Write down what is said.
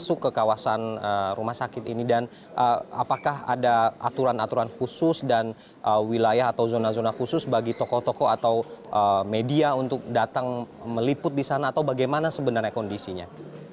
masuk ke kawasan rumah sakit ini dan apakah ada aturan aturan khusus dan wilayah atau zona zona khusus bagi tokoh tokoh atau media untuk datang meliput di sana atau bagaimana sebenarnya kondisinya